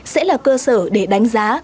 sẽ là cơ sở để đánh giá